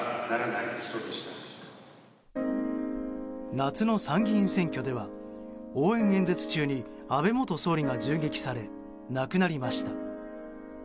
夏の参議院選挙では応援演説中に安倍元総理が銃撃され亡くなりました。